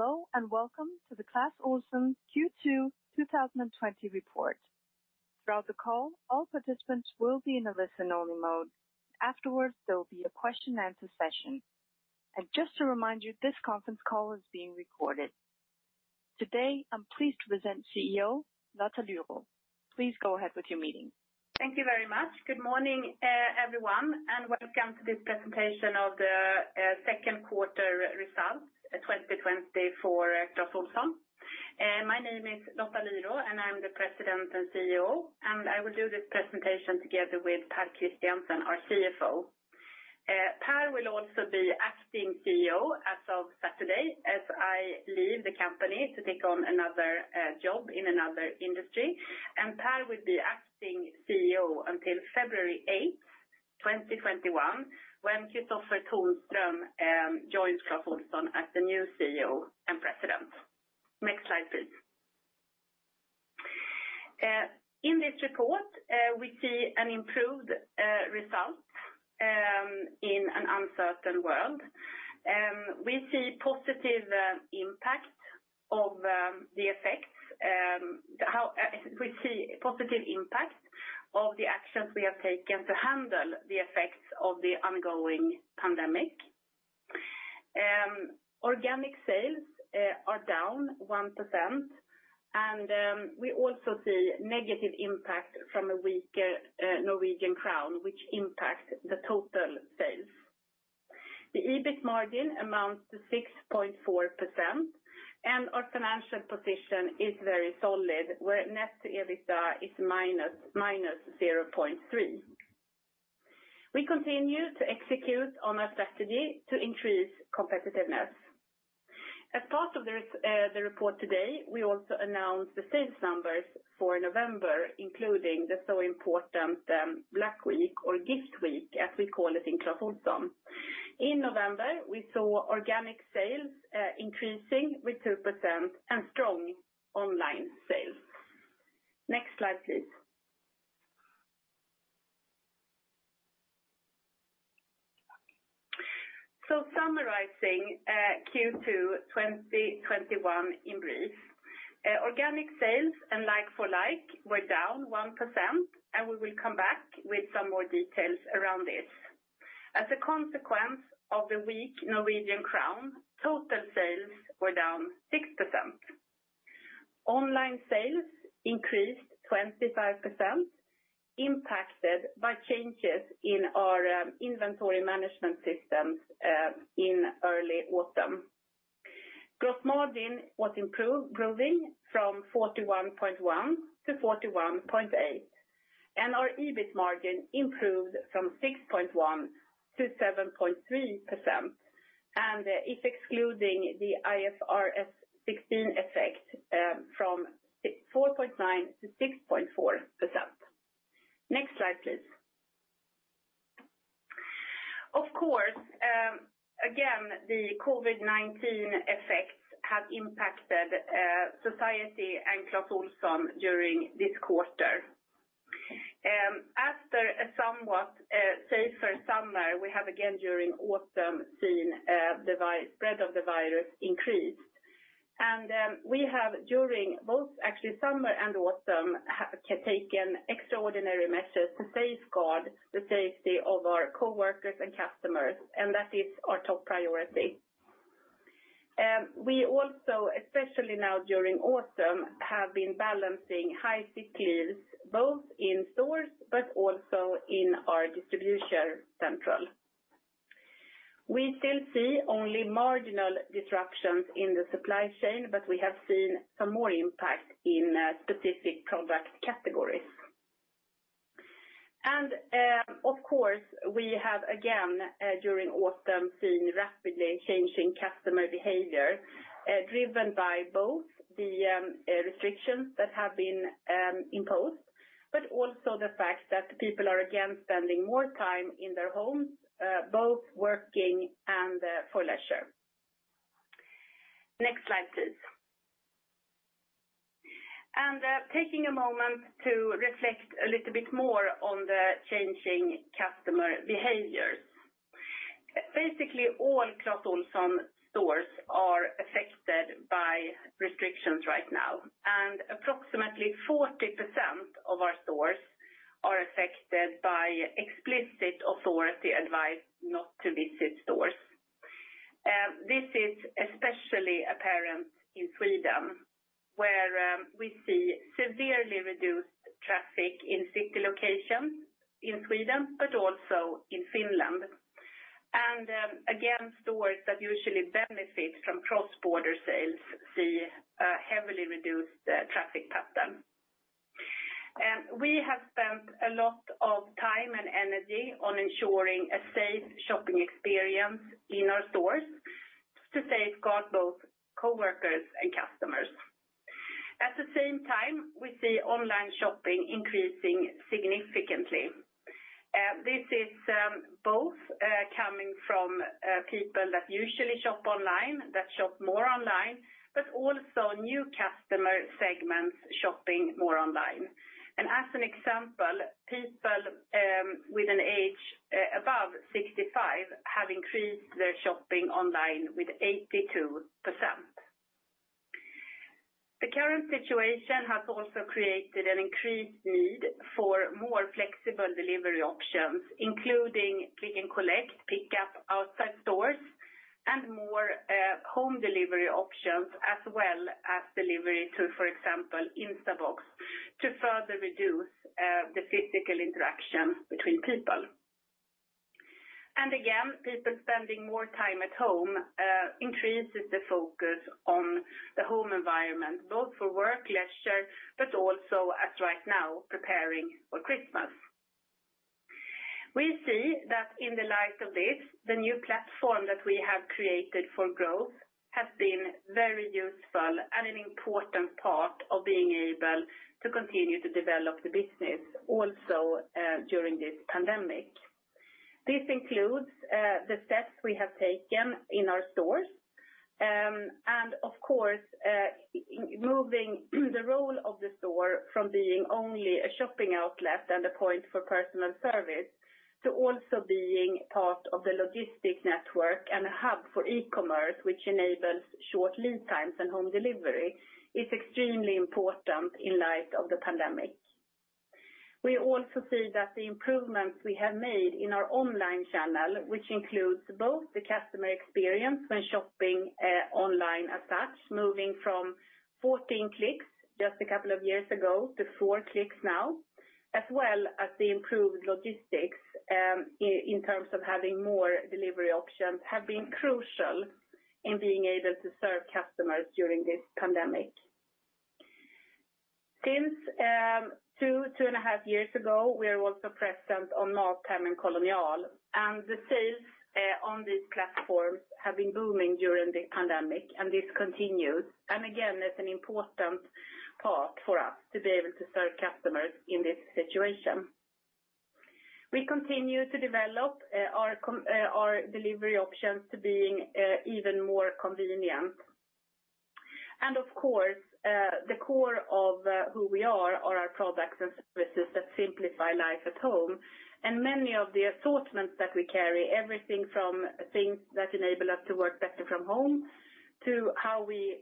Hello, welcome to the Clas Ohlson Q2 2020 report. Throughout the call, all participants will be in a listen-only mode. Afterwards, there will be a question-and-answer session. Just to remind you, this conference call is being recorded. Today, I'm pleased to present CEO, Lotta Lyrå. Please go ahead with your meeting. Thank you very much. Good morning, everyone, and welcome to this presentation of the second quarter results, 2020 for Clas Ohlson. My name is Lotta Lyrå, and I'm the President and CEO, and I will do this presentation together with Pär Christiansen, our CFO. Pär will also be acting CEO as of Saturday as I leave the company to take on another job in another industry. Pär will be acting CEO until February 8, 2021 when Kristofer Tonström joins Clas Ohlson as the new CEO and President. Next slide, please. In this report, we see an improved result in an uncertain world. We see positive impact of the effects. We see positive impact of the actions we have taken to handle the effects of the ongoing pandemic. Organic sales are down 1%, we also see negative impact from a weaker Norwegian krone, which impact the total sales. The EBIT margin amounts to 6.4%, and our financial position is very solid, where net EBITDA is -0.3. We continue to execute on our strategy to increase competitiveness. As part of this, the report today, we also announced the sales numbers for November, including the so important Black Week or Gift Week, as we call it in Clas Ohlson. In November, we saw organic sales increasing with 2% and strong online sales. Next slide, please. Summarizing Q2 2021 in brief. Organic sales and like-for-like were down 1%, and we will come back with some more details around this. As a consequence of the weak Norwegian krone, total sales were down 6%. Online sales increased 25%, impacted by changes in our inventory management systems in early autumn. Gross margin was improved, growing from 41.1%-41.8%, and our EBIT margin improved from 6.1%-7.3%, and if excluding the IFRS 16 effect, from 4.9%-6.4%. Next slide, please. Of course, again, the COVID-19 effects have impacted society and Clas Ohlson during this quarter. After a somewhat safer summer, we have again during autumn seen the spread of the virus increase. We have during both actually summer and autumn taken extraordinary measures to safeguard the safety of our coworkers and customers, and that is our top priority. We also, especially now during autumn, have been balancing high sick leaves, both in stores but also in our distribution center. We still see only marginal disruptions in the supply chain, but we have seen some more impact in specific product categories. Of course, we have, again, during autumn, seen rapidly changing customer behavior, driven by both the restrictions that have been imposed, but also the fact that people are again spending more time in their homes, both working and for leisure. Next slide, please. Taking a moment to reflect a little bit more on the changing customer behaviors. Basically, all Clas Ohlson stores are affected by restrictions right now, and approximately 40% of our stores are affected by explicit authority advice not to visit stores. This is especially apparent in Sweden, where we see severely reduced traffic in city locations in Sweden, but also in Finland. Again, stores that usually benefit from cross-border sales see a heavily reduced traffic pattern. We have spent a lot of time and energy on ensuring a safe shopping experience in our stores to safeguard both coworkers and customers. At the same time, we see online shopping increasing significantly. This is both coming from people that usually shop online, that shop more online, but also new customer segments shopping more online. As an example, people, with an age, above 65 have increased their shopping online with 82%. The current situation has also created an increased need for more flexible delivery options, including Click & Collect, pick-up outside stores, and more, home delivery options, as well as delivery to, for example, Instabox, to further reduce, the physical interactions between people. Again, people spending more time at home, increases the focus on the home environment, both for work, leisure, but also as right now preparing for Christmas. We see that in the light of this, the new platform that we have created for growth has been very useful and an important part of being able to continue to develop the business also, during this pandemic. This includes, the steps we have taken in our stores. Of course, moving the role of the store from being only a shopping outlet and a point for personal service to also being part of the logistic network and a hub for e-commerce, which enables short lead times and home delivery, is extremely important in light of the pandemic. We also see that the improvements we have made in our online channel, which includes both the customer experience when shopping, online as such, moving from 14 clicks just a couple of years ago to four clicks now, as well as the improved logistics, in terms of having more delivery options, have been crucial in being able to serve customers during this pandemic. Since two and a half years ago, we are also present on MatHem and Kolonial, and the sales on these platforms have been booming during the pandemic, and this continues. Again, it's an important part for us to be able to serve customers in this situation. We continue to develop our delivery options to being even more convenient. Of course, the core of who we are our products and services that simplify life at home. Many of the assortments that we carry, everything from things that enable us to work better from home to how we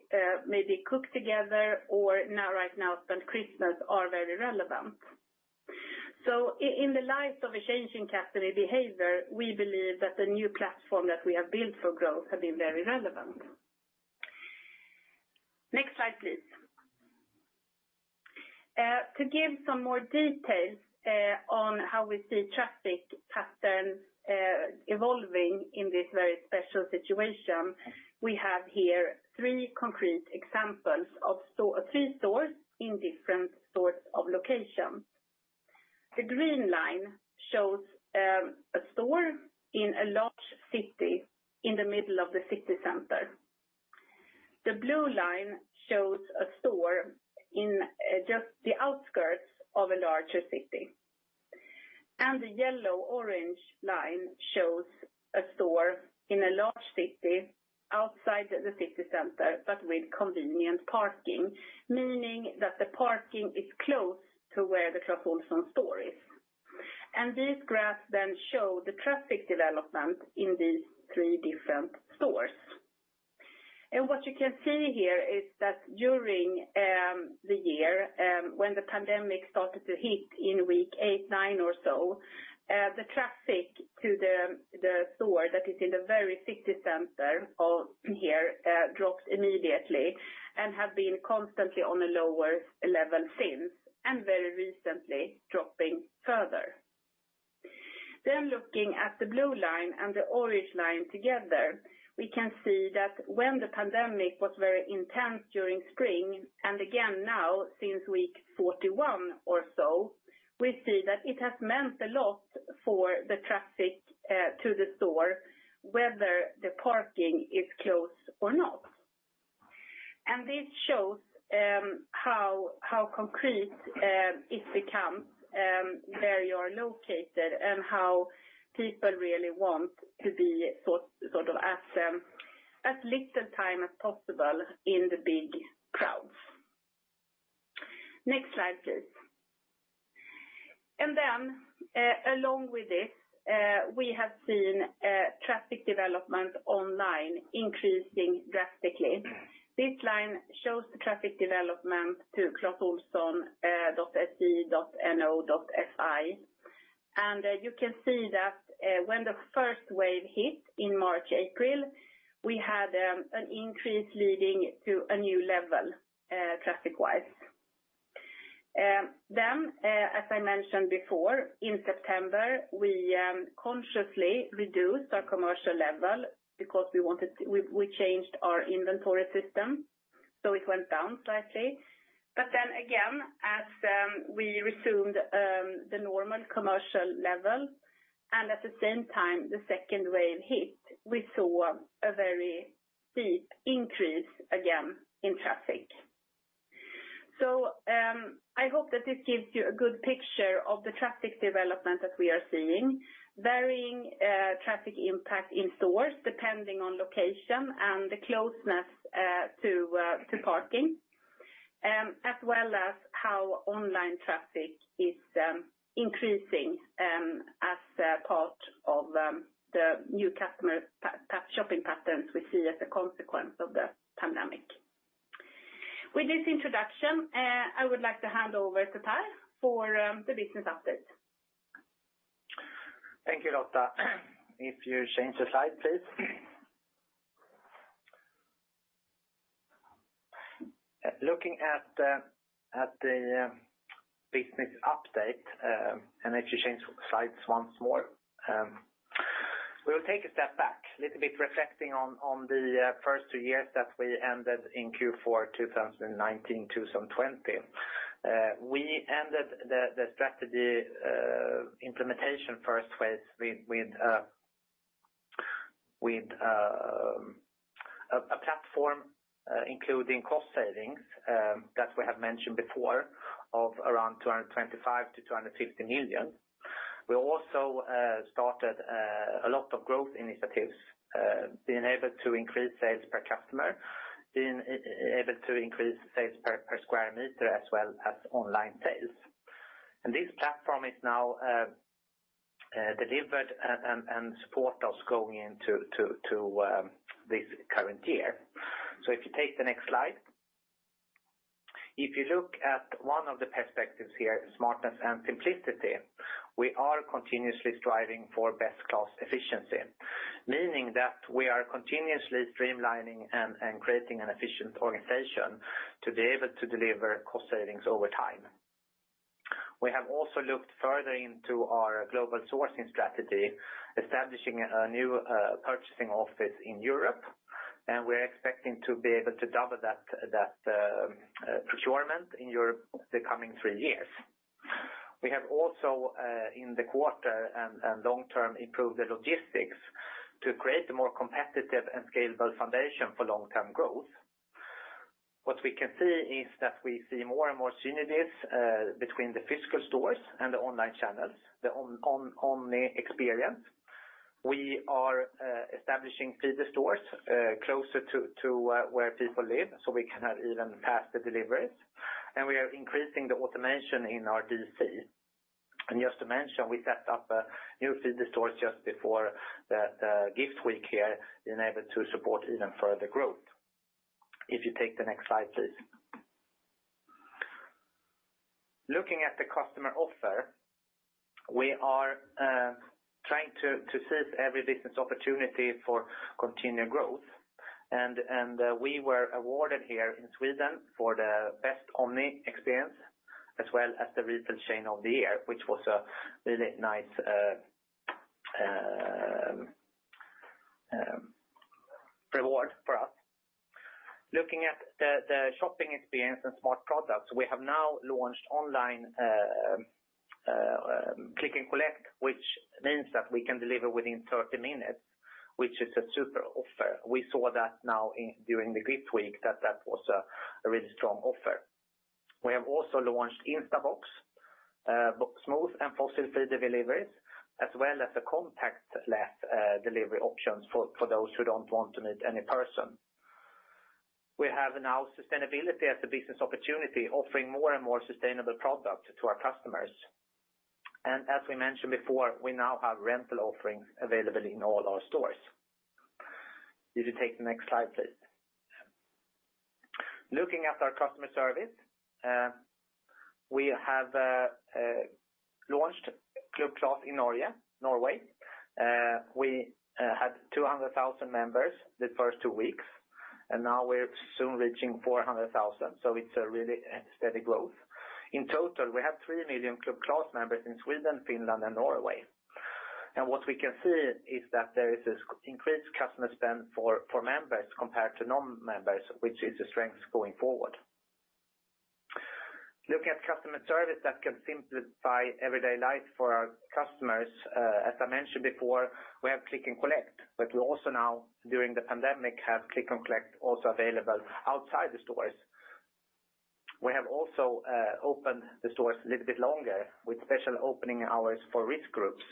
maybe cook together or now, right now spend Christmas, are very relevant. In the light of a change in customer behavior, we believe that the new platform that we have built for growth has been very relevant. Next slide, please. To give some more details on how we see traffic patterns evolving in this very special situation, we have here three concrete examples of three stores in different sorts of locations. The green line shows a store in a large city in the middle of the city center. The blue line shows a store in just the outskirts of a larger city. The yellow-orange line shows a store in a large city outside the city center, but with convenient parking, meaning that the parking is close to where the Clas Ohlson store is. These graphs then show the traffic development in these three different stores. What you can see here is that during the year, when the pandemic started to hit in week eight, nine or so, the traffic to the store that is in the very city center of here, dropped immediately and have been constantly on a lower level since, and very recently dropping further. Looking at the blue line and the orange line together, we can see that when the pandemic was very intense during spring and again now since week 41 or so, we see that it has meant a lot for the traffic to the store, whether the parking is close or not. This shows how concrete it becomes where you are located and how people really want to be sort of at as little time as possible in the big crowds. Next slide, please. Then, along with this, we have seen traffic development online increasing drastically. This line shows the traffic development to clasohlson.se, .no, .fi. You can see that, when the first wave hit in March, April, we had an increase leading to a new level, traffic-wise. Then, as I mentioned before, in September, we consciously reduced our commercial level because we changed our inventory system, so it went down slightly. Again, as we resumed the normal commercial level and at the same time, the second wave hit, we saw a very steep increase again in traffic. I hope that this gives you a good picture of the traffic development that we are seeing, varying traffic impact in-stores depending on location and the closeness to parking, as well as how online traffic is increasing as a part of the new customer pattern. Shopping patterns we see as a consequence of the pandemic. With this introduction, I would like to hand over to Pär for the business update. Thank you, Lotta. If you change the slide, please. Looking at the business update, if you change slides once more. We'll take a step back, a little bit reflecting on the first two years that we ended in Q4 2019-2020. We ended the strategy implementation first with a platform including cost savings that we have mentioned before of around 225 million-250 million. We also started a lot of growth initiatives, being able to increase sales per customer, being able to increase sales per square meter as well as online sales. This platform is now delivered and support us going into this current year. If you take the next slide. If you look at one of the perspectives here, smartness and simplicity, we are continuously striving for best class efficiency, meaning that we are continuously streamlining and creating an efficient organization to be able to deliver cost savings over time. We have also looked further into our global sourcing strategy, establishing a new purchasing office in Europe, and we're expecting to be able to double that procurement in Europe the coming three years. We have also in the quarter and long-term improve the logistics to create a more competitive and scalable foundation for long-term growth. What we can see is that we see more and more synergies between the physical stores and the online channels, the Omni experience. We are establishing feeder stores closer to where people live, so we can have even faster deliveries. We are increasing the automation in our DC. Just to mention, we set up new feeder stores just before the Gift Week here, being able to support even further growth. If you take the next slide, please. Looking at the customer offer, we are trying to seize every business opportunity for continued growth. We were awarded here in Sweden for the best Omni experience as well as the Retail Chain of the Year, which was a really nice reward for us. Looking at the shopping experience and smart products, we have now launched online Click & Collect, which means that we can deliver within 30 minutes, which is a super offer. We saw that now during the Gift Week that was a really strong offer. We have also launched Instabox box smooth and fossil-free deliveries as well as the contactless delivery options for those who don't want to meet any person. We have now sustainability as a business opportunity, offering more and more sustainable products to our customers. As we mentioned before, we now have rental offerings available in all our stores. If you take the next slide, please. Looking at our customer service, we have launched Club Clas in Norge, Norway. We had 200,000 members the first two weeks, now we're soon reaching 400,000. It's a really steady growth. In total, we have 3 million Club Clas members in Sweden, Finland and Norway. What we can see is that there is this increased customer spend for members compared to non-members, which is a strength going forward. Looking at customer service that can simplify everyday life for our customers, as I mentioned before, we have Click & Collect, but we also now during the pandemic have Click & Collect also available outside the stores. We have also opened the stores a little bit longer with special opening hours for risk groups.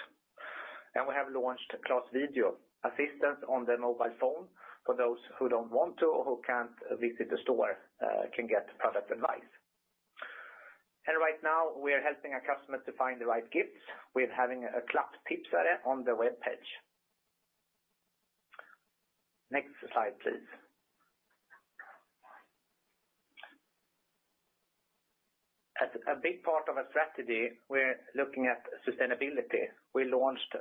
We have launched Clas Video Assistance on the mobile phone for those who don't want to or who can't visit the store, can get product advice. Right now we are helping our customers to find the right gifts with having a Clas Tipsar on the webpage. Next slide, please. As a big part of our strategy, we're looking at sustainability. We launched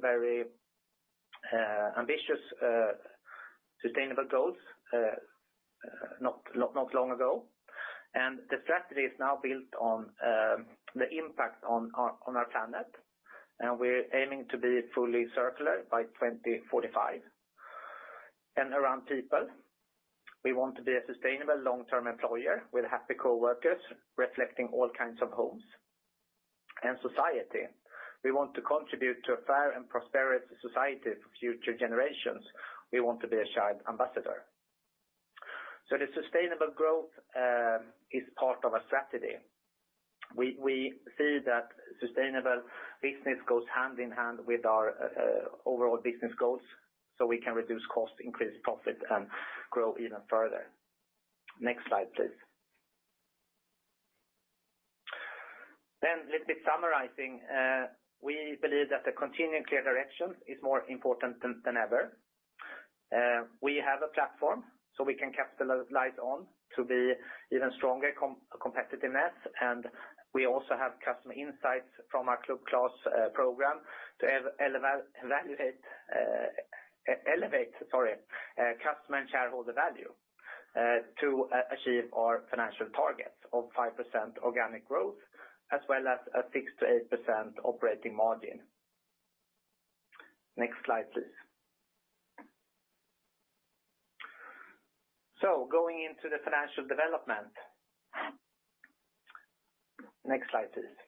very ambitious sustainable goals not long ago. The strategy is now built on the impact on our Planet. We're aiming to be fully circular by 2045. Around People, we want to be a sustainable long-term employer with happy coworkers reflecting all kinds of homes. Society, we want to contribute to a fair and prosperous society for future generations. We want to be a child ambassador. The sustainable growth is part of our strategy. We see that sustainable business goes hand in hand with our overall business goals, so we can reduce cost, increase profit, and grow even further. Next slide, please. Let me summarizing, we believe that the continuing clear direction is more important than ever. We have a platform so we can keep the lights on to be even stronger competitiveness. We also have customer insights from our Club Clas program to elevate customer and shareholder value to achieve our financial targets of 5% organic growth as well as a 6%-8% operating margin. Next slide, please. Going into the financial development. Next slide, please.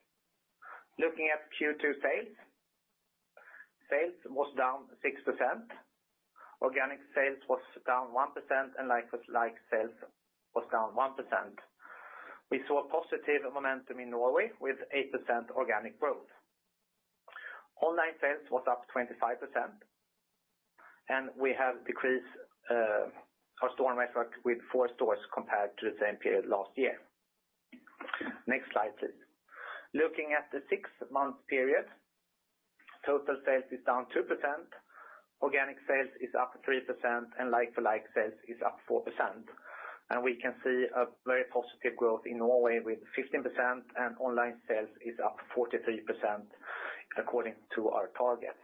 Looking at Q2 sales. Sales was down 6%. Organic sales was down 1%. Like-for-like sales was down 1%. We saw a positive momentum in Norway with 8% organic growth. Online sales was up 25%. We have decreased our store network with four stores compared to the same period last year. Next slide, please. Looking at the six-month period, total sales is down 2%. Organic sales is up 3% and like-for-like sales is up 4%. We can see a very positive growth in Norway with 15% and online sales is up 43% according to our targets.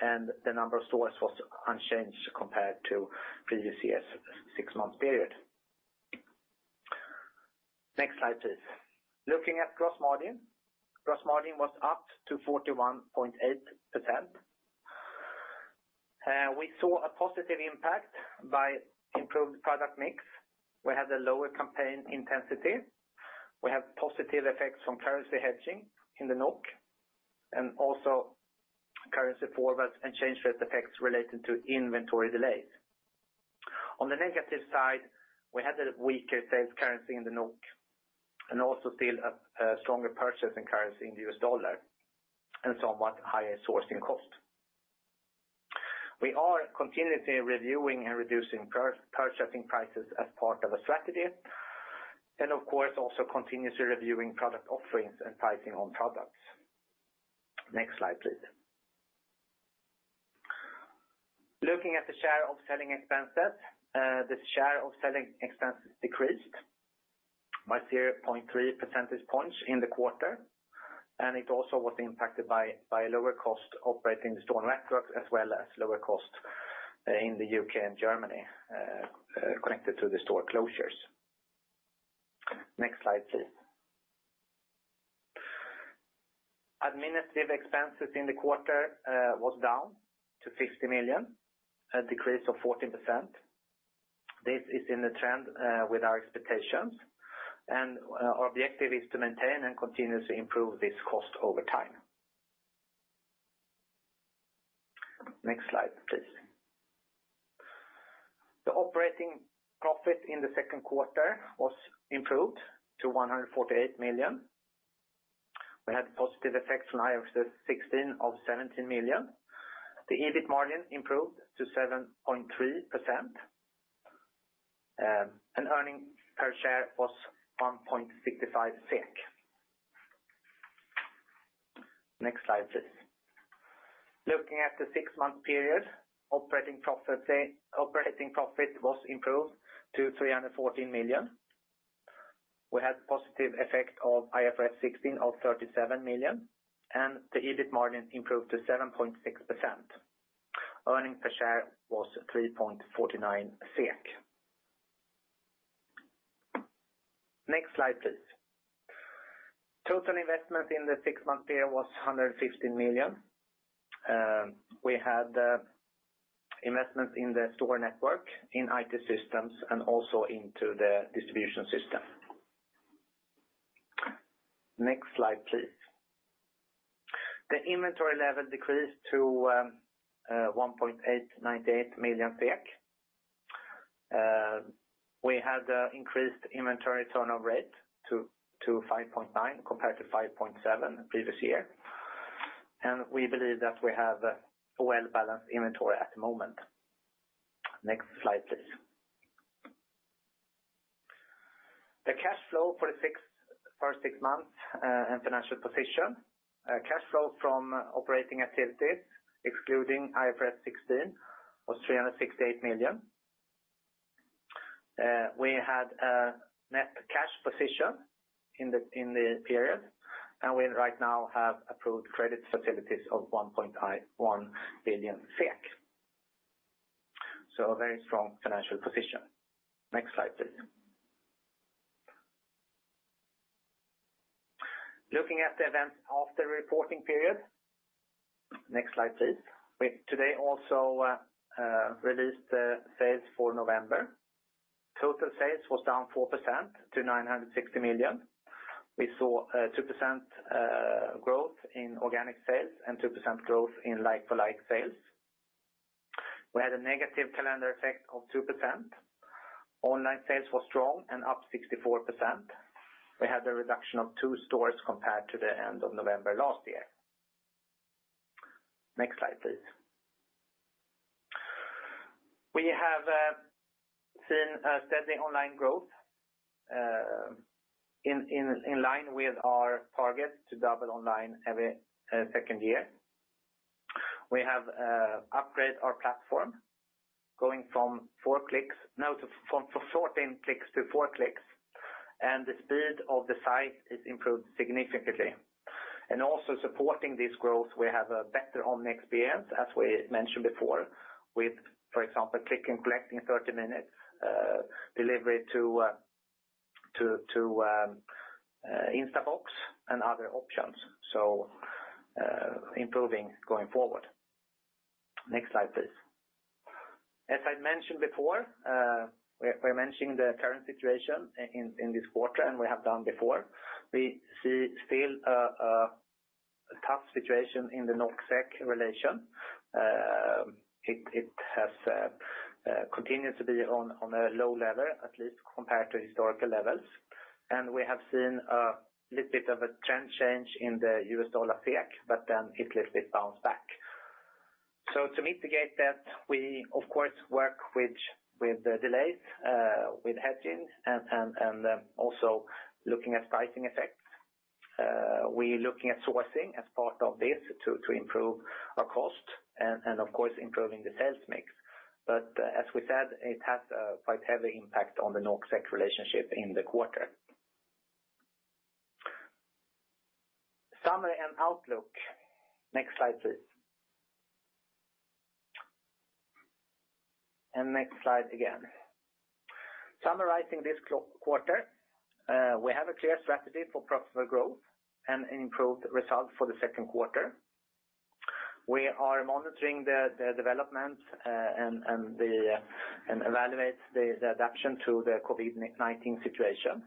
The number of stores was unchanged compared to previous year's six-month period. Next slide, please. Looking at gross margin. Gross margin was up to 41.8%. We saw a positive impact by improved product mix. We had a lower campaign intensity. We have positive effects from currency hedging in the NOK and also currency forwards and change rate effects related to inventory delays. On the negative side, we had a weaker sales currency in the NOK and also still a stronger purchasing currency in the U.S. dollar and somewhat higher sourcing cost. We are continuously reviewing and reducing purchasing prices as part of a strategy, and of course also continuously reviewing product offerings and pricing on products. Next slide, please. Looking at the share of selling expenses. The share of selling expenses decreased by 0.3 percentage points in the quarter, and it also was impacted by lower cost operating the store network, as well as lower cost in the U.K. and Germany connected to the store closures. Next slide, please. Administrative expenses in the quarter was down to 60 million, a decrease of 14%. This is in the trend with our expectations, and our objective is to maintain and continuously improve this cost over time. Next slide, please. The operating profit in the second quarter was improved to 148 million. We had positive effects from IFRS 16 of 17 million. The EBIT margin improved to 7.3%. Earning per share was SEK 1.65. Next slide, please. Looking at the six-month period, operating profit was improved to 314 million. We had positive effect of IFRS 16 of 37 million, and the EBIT margin improved to 7.6%. Earning per share was 3.49 SEK. Next slide, please. Total investment in the six-month period was 115 million. We had investments in the store network, in IT systems, and also into the distribution system. Next slide, please. The inventory level decreased to 1.898 million. We had increased inventory turnover rate to 5.9 compared to 5.7 previous year. We believe that we have a well-balanced inventory at the moment. Next slide, please. The cash flow for the first six months and financial position. Cash flow from operating activities, excluding IFRS 16, was 368 million. We had a net cash position in the period, and we right now have approved credit facilities of 1 billion SEK. A very strong financial position. Next slide, please. Looking at the events after reporting period. Next slide, please. We today also released the sales for November. Total sales was down 4% to 960 million. We saw a 2% growth in organic sales and 2% growth in like-for-like sales. We had a negative calendar effect of 2%. Online sales was strong and up 64%. We had a reduction of two stores compared to the end of November last year. Next slide, please. We have seen a steady online growth in line with our target to double online every second year. We have upgrade our platform from 14 clicks to four clicks, and the speed of the site is improved significantly. Also supporting this growth, we have a better online experience, as we mentioned before, with, for example, Click & Collect in 30 minutes, delivery to Instabox and other options. Improving going forward. Next slide, please. As I mentioned before, we're mentioning the current situation in this quarter, and we have done before. We see still a tough situation in the NOK/SEK relation. It has continued to be on a low level, at least compared to historical levels. We have seen little bit of a trend change in the USD/SEK, it little bit bounced back. To mitigate that, we of course work with the delays, with hedging and also looking at pricing effects. We're looking at sourcing as part of this to improve our cost and of course, improving the sales mix. As we said, it has a quite heavy impact on the NOK/SEK relationship in the quarter. Summary and outlook. Next slide, please. Next slide again. Summarizing this quarter, we have a clear strategy for profitable growth and improved results for the second quarter. We are monitoring the development and evaluate the adaption to the COVID-19 situation.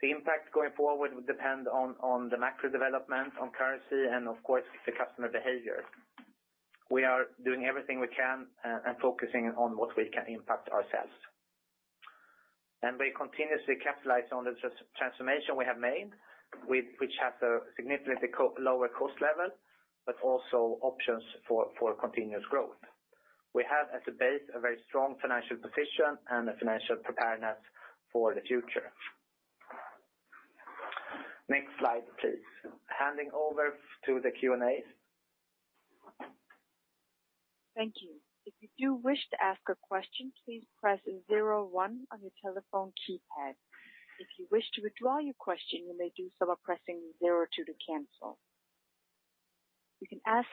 The impact going forward will depend on the macro development on currency and of course, the customer behavior. We are doing everything we can and focusing on what we can impact ourselves. We continuously capitalize on the transformation we have made, which has a significantly lower cost level, but also options for continuous growth. We have as a base, a very strong financial position and a financial preparedness for the future. Next slide, please. Handing over to the Q&A. Thank you. If you do wish to ask a question, please press zero one on your telephone keypad. If you wish to withdraw your question, you may do so by pressing zero two to cancel. You can ask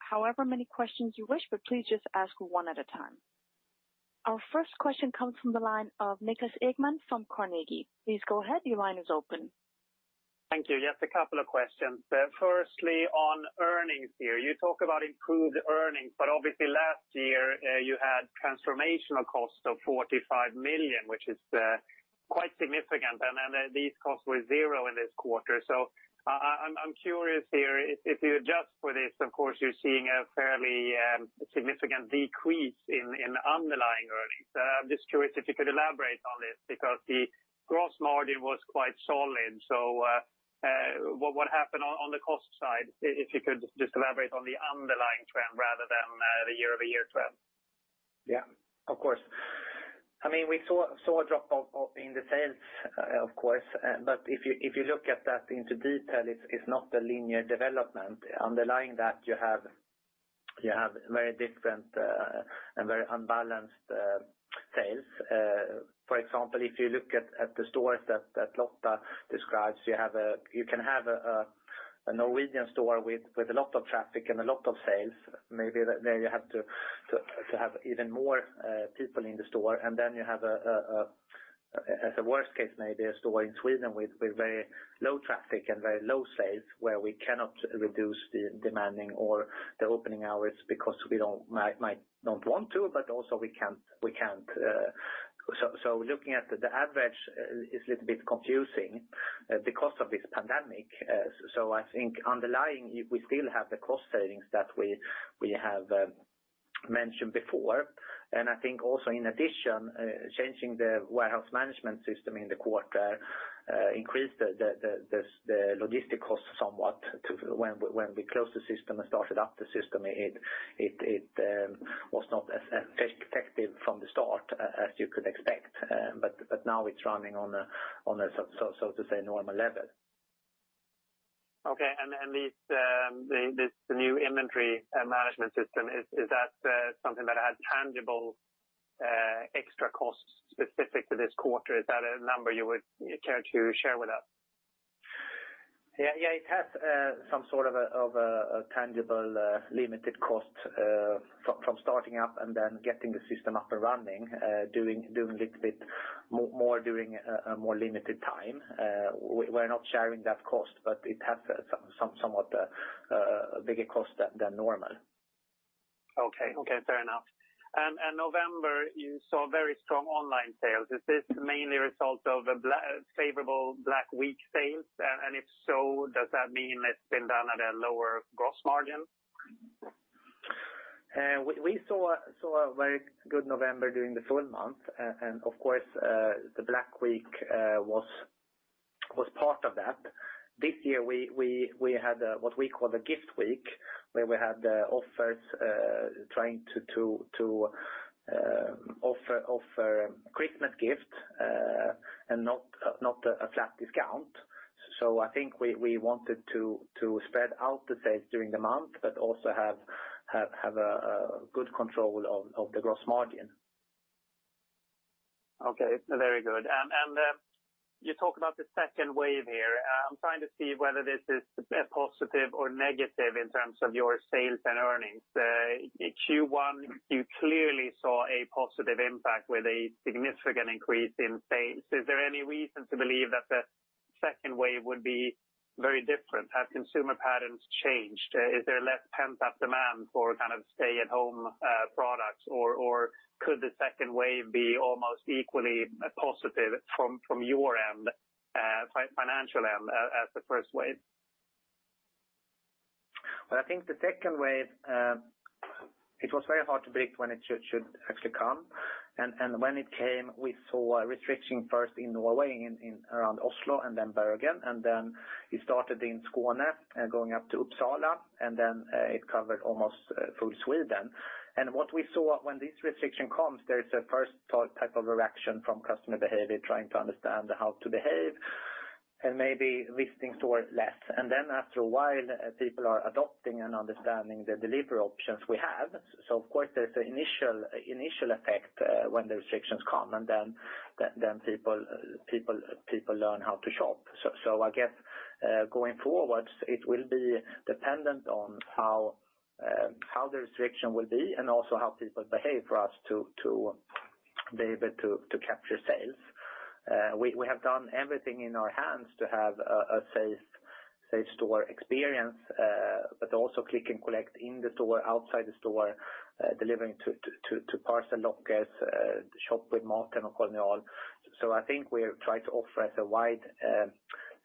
however many questions you wish, but please just ask one at a time. Our first question comes from the line of Niklas Ekman from Carnegie. Please go ahead. Your line is open. Thank you. Just a couple of questions. Firstly, on earnings here, you talk about improved earnings. Obviously last year, you had transformational costs of 45 million, which is quite significant. These costs were 0 in this quarter. I'm curious here, if you adjust for this, of course, you're seeing a fairly significant decrease in underlying earnings. I'm just curious if you could elaborate on this because the gross margin was quite solid. What happened on the cost side? If you could just elaborate on the underlying trend rather than the year-over-year trend. Yeah, of course. I mean, we saw a drop of in the sales, of course. If you look at that into detail, it's not a linear development. Underlying that you have very different and very unbalanced sales. For example, if you look at the stores that Lotta describes, you can have a Norwegian store with a lot of traffic and a lot of sales. Maybe there you have to have even more people in the store. Then you have as a worst case maybe a store in Sweden with very low traffic and very low sales where we cannot reduce the demanding or the opening hours because we don't want to, but also we can't. Looking at the average is little bit confusing, because of this pandemic. I think underlying, we still have the cost savings that we have mentioned before. I think also in addition, changing the warehouse management system in the quarter, increased the logistic costs somewhat to when we closed the system and started up the system, it was not as effective from the start as you could expect. Now it's running on a so to say, normal level. Okay. These this new inventory management system, is that something that adds tangible extra costs specific to this quarter? Is that a number you would care to share with us? Yeah, yeah, it has some sort of a tangible, limited cost from starting up and then getting the system up and running, doing a little bit more during a more limited time. We're not sharing that cost, but it has somewhat bigger cost than normal. Okay. Okay. Fair enough. In November, you saw very strong online sales. Is this mainly a result of a favorable Black Week sales? If so, does that mean it's been done at a lower gross margin? We saw a very good November during the full month. Of course, the Black Week was part of that. This year, we had what we call the Gift Week, where we had the offers, trying to offer Christmas gift and not a flat discount. I think we wanted to spread out the sales during the month, but also have a good control of the gross margin. Okay. Very good. You talk about the second wave here. I'm trying to see whether this is a positive or negative in terms of your sales and earnings. In Q1, you clearly saw a positive impact with a significant increase in sales. Is there any reason to believe that the second wave would be very different? Have consumer patterns changed? Is there less pent-up demand for kind of stay-at-home products? Or, could the second wave be almost equally positive from your end financially as the first wave? Well, I think the second wave, it was very hard to predict when it should actually come. When it came, we saw a restriction first in Norway, in around Oslo and then Bergen, then it started in Skåne, going up to Uppsala, then it covered almost full Sweden. What we saw when this restriction comes, there is a first type of reaction from customer behavior trying to understand how to behave and maybe visiting store less. After a while, people are adopting and understanding the delivery options we have. Of course, there's the initial effect when the restrictions come, then people learn how to shop. I guess, going forward, it will be dependent on how the restriction will be and also how people behave for us to be able to capture sales. We have done everything in our hands to have a safe store experience, but also Click & Collect in the store, outside the store, delivering to parcel lockers, shop with MatHem or Kolonial. I think we try to offer as a wide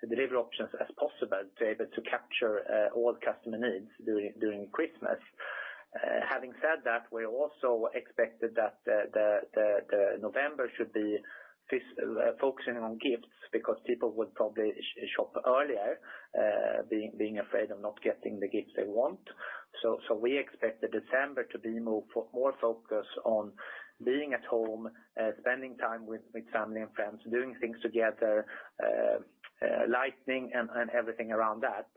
delivery options as possible to able to capture all customer needs during Christmas. Having said that, we also expected that November should be focusing on gifts because people would probably shop earlier, being afraid of not getting the gifts they want. We expect the December to be more focused on being at home, spending time with family and friends, doing things together, lighting and everything around that.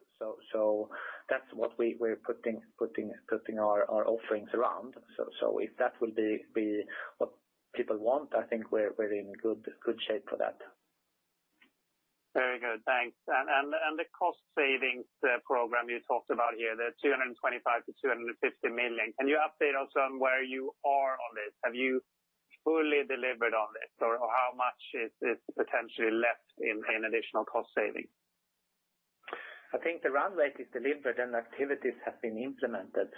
That's what we're putting our offerings around. If that will be what people want, I think we're in good shape for that. Very good. Thanks. The cost savings program you talked about here, the 225 million-250 million, can you update us on where you are on this? Have you fully delivered on this? How much is potentially left in additional cost saving? I think the run rate is delivered and activities have been implemented.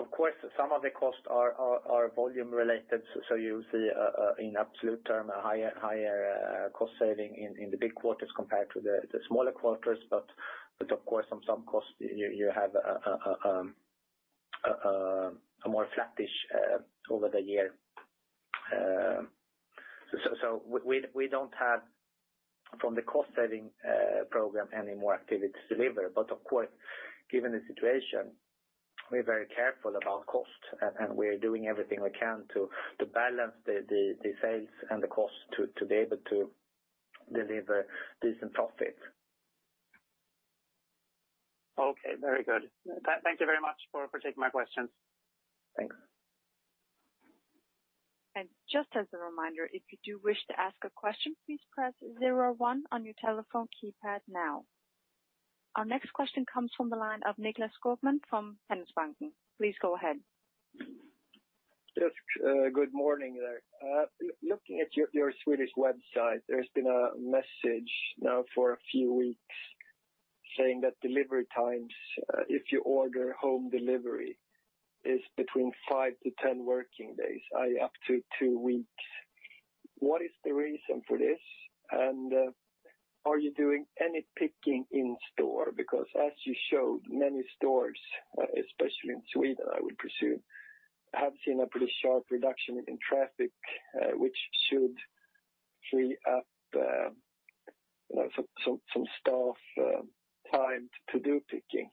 Of course, some of the costs are volume-related, so you'll see in absolute term, a higher cost saving in the big quarters compared to the smaller quarters. Of course, on some costs, you have a more flattish over the year. So we don't have from the cost saving program any more activities delivered. Of course, given the situation, we're very careful about cost and we're doing everything we can to balance the sales and the cost to be able to deliver decent profit. Okay. Very good. Thank you very much for taking my questions. Thanks. Just as a reminder, if you do wish to ask a question, please press zero one on your telephone keypad now. Our next question comes from the line of Nicklas Skogman from Handelsbanken. Please go ahead. Good morning there. Looking at your Swedish website, there's been a message now for a few weeks saying that delivery times, if you order home delivery, is between five to 10 working days, i.e., up to two weeks. What is the reason for this? Are you doing any picking in stores? As you showed, many stores, especially in Sweden, I would presume, have seen a pretty sharp reduction in traffic, which should free up, you know, some staff time to do picking.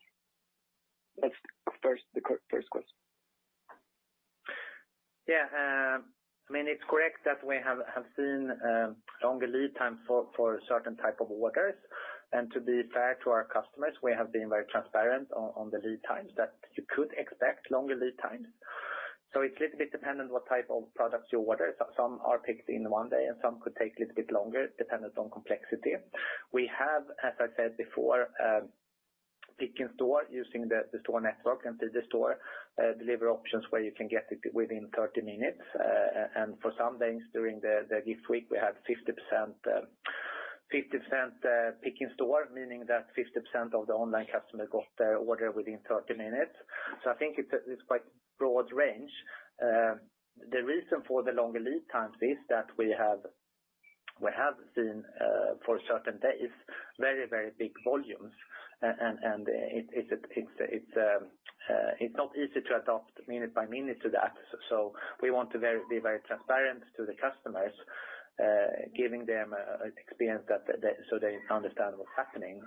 That's the first question. Yeah. I mean, it's correct that we have seen longer lead time for certain type of orders. To be fair to our customers, we have been very transparent on the lead times that you could expect longer lead times. It's little bit dependent what type of products you order. Some are picked in one day, and some could take little bit longer dependent on complexity. We have, as I said before, pick-in-store using the store network and through the store delivery options where you can get it within 30 minutes. For some days during the Gift Week, we had 50% pick-in-store, meaning that 50% of the online customers got their order within 30 minutes. I think it's quite broad range. The reason for the longer lead times is that we have seen, for certain days, very, very big volumes. It's not easy to adopt minute-by-minute to that. We want to be very transparent to the customers, giving them an experience that so they understand what's happening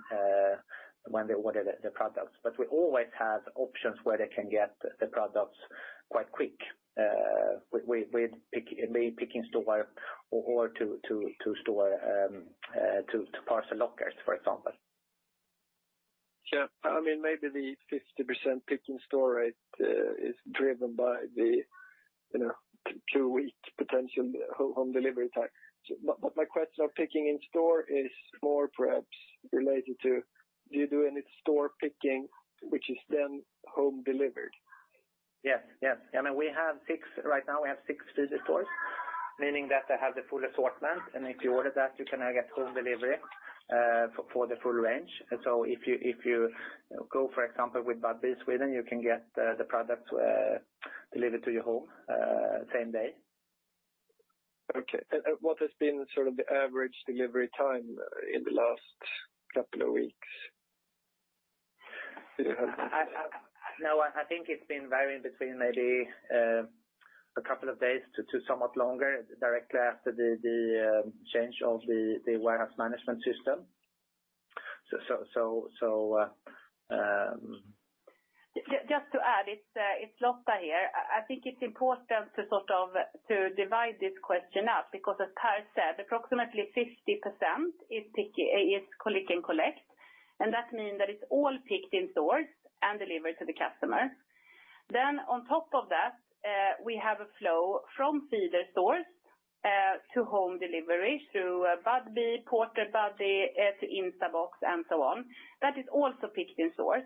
when they order the products. We always have options where they can get the products quite quick, with pick-in-store or to store, to parcel lockers, for example. Yeah. I mean, maybe the 50% picking store rate, is driven by the, you know, two-week potential home delivery time. My question of pick-in-store is more perhaps related to, do you do any store picking which is then home delivered? Yes, yes. I mean, right now, we have six city stores, meaning that they have the full assortment. If you order that, you can now get home delivery for the full range. If you go, for example, with Budbee Sweden, you can get the product delivered to your home same day. What has been sort of the average delivery time in the last couple of weeks? No, I think it's been varying between maybe, a couple of days to somewhat longer directly after the change of the warehouse management system. Just to add, it's Lotta here. I think it's important to sort of, to divide this question up, because as Pär said, approximately 50% is Click & Collect, and that mean that it's all pick-in-stores and delivered to the customer. On top of that, we have a flow from feeder stores to home delivery through Budbee, Porterbuddy, to Instabox, and so on. That is also pick-in-store.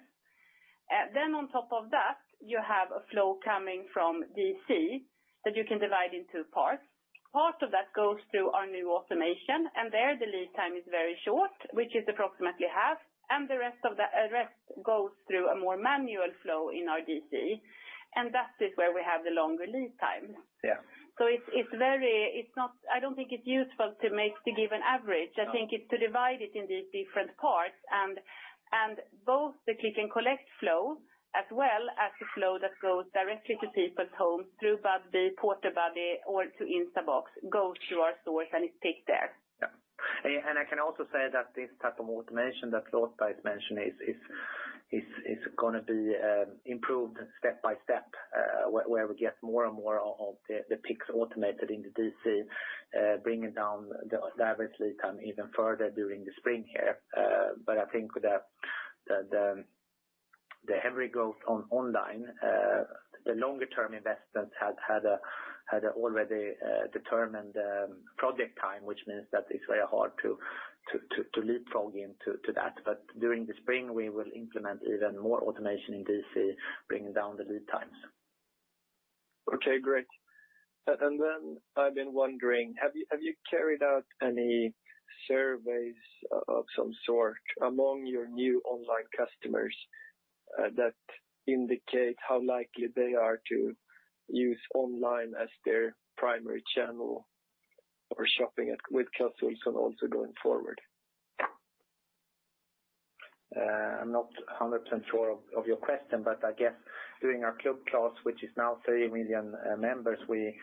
On top of that, you have a flow coming from DC that you can divide in two parts. Part of that goes through our new automation. There the lead time is very short, which is approximately half, and the rest goes through a more manual flow in our DC. That is where we have the longer lead time. Yeah. It's, it's very... It's not... I don't think it's useful to give an average. I think it's to divide it in these different parts and both the Click & Collect flow, as well as the flow that goes directly to people's homes through Budbee, Porterbuddy, or to Instabox, goes through our stores, and it's picked there. I can also say that this type of automation that Lotta has mentioned is going to be improved step-by-step, where we get more and more of the picks automated in the DC, bringing down the average lead time even further during the spring here. I think with the heavy growth on online, the longer-term investments had already determined project time, which means that it's very hard to leapfrog into that. During the spring, we will implement even more automation in DC, bringing down the lead times. Okay, great. Then I've been wondering, have you carried out any surveys of some sort among your new online customers that indicate how likely they are to use online as their primary channel for shopping with Clas Ohlson also going forward? I'm not 100% sure of your question, but I guess during our Club Clas, which is now 30 million members, we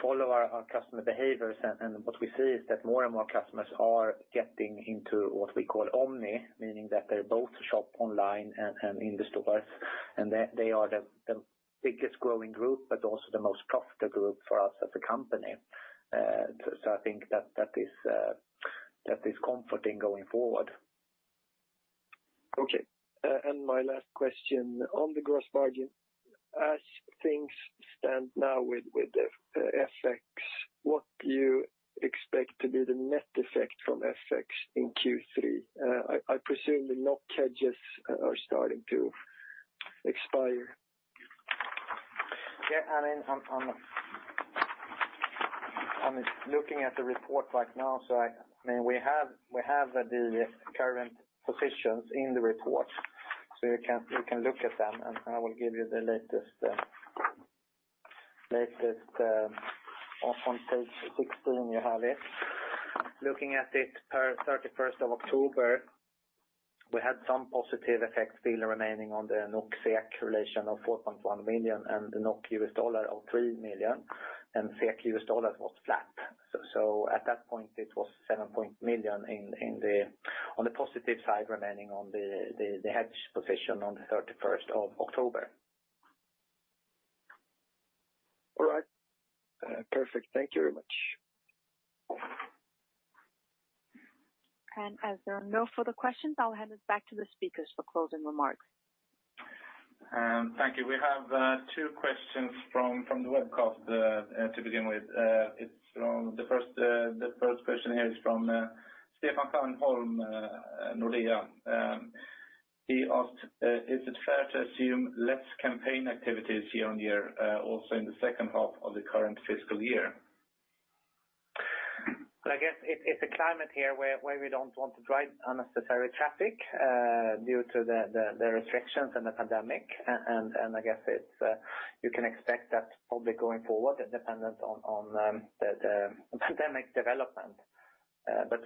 follow our customer behaviors, and what we see is that more and more customers are getting into what we call Omni, meaning that they both shop online and in the stores. They are the biggest growing group, but also the most profitable group for us as a company. I think that is comforting going forward. Okay. My last question on the gross margin. As things stand now with the FX, what do you expect to be the net effect from FX in Q3? I presume the NOK hedges are starting to expire. I mean, I'm looking at the report right now. I mean, we have the current positions in the report, so you can look at them, and I will give you the latest. On page 16, you have it. Looking at it per October 31st, 2020 we had some positive effects still remaining on the NOK/SEK relation of 4.1 million and the NOK/USD of SEK 3 million, and SEK/USD was flat. At that point, it was 7.1 million on the positive side remaining on the hedge position on the October 31st, 2020. All right. Perfect. Thank you very much. As there are no further questions, I'll hand it back to the speakers for closing remarks. Thank you. We have two questions from the webcast to begin with. The first question here is from Stefan Granholm, Nordea. He asked, is it fair to assume less campaign activities year on year also in the second half of the current fiscal year? I guess it's a climate here where we don't want to drive unnecessary traffic due to the restrictions and the pandemic. I guess it's you can expect that probably going forward and dependent on the pandemic development.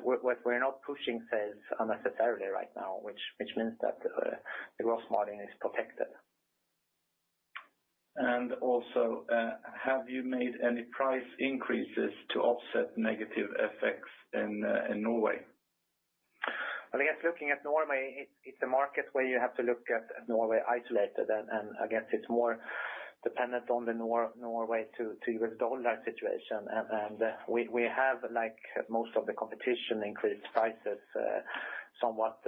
We're not pushing sales unnecessarily right now, which means that the gross margin is protected. Also, have you made any price increases to offset negative effects in Norway? I guess looking at Norway, it's a market where you have to look at Norway isolated and I guess it's more dependent on the Norway to U.S. dollar situation. We have, like most of the competition, increased prices somewhat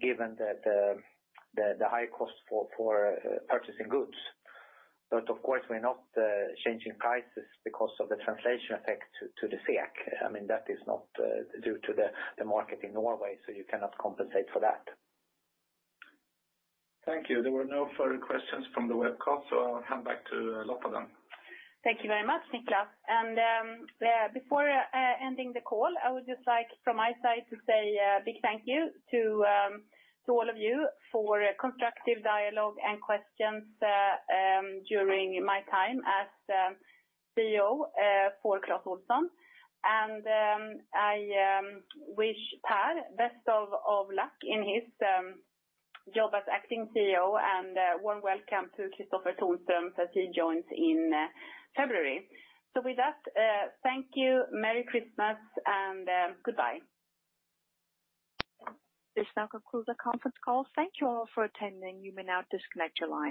given the high cost for purchasing goods. Of course, we're not changing prices because of the translation effect to the SEK. I mean, that is not due to the market in Norway, so you cannot compensate for that. Thank you. There were no further questions from the webcast, so I'll hand back to Lotta then. Thank you very much, Niklas. Before ending the call, I would just like from my side to say a big thank you to all of you for constructive dialogue and questions during my time as CEO for Clas Ohlson. I wish Pär best of luck in his job as acting CEO, and warm welcome to Kristofer Tonström as he joins in February. With that, thank you, merry Christmas, and goodbye. This now concludes our conference call. Thank you all for attending. You may now disconnect your lines.